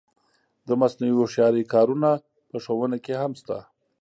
د مصنوعي هوښیارۍ کارونه په ښوونه کې هم شته.